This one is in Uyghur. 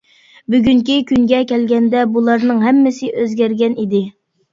بۈگۈنكى كۈنگە كەلگەندە بۇلارنىڭ ھەممىسى ئۆزگەرگەن ئىدى.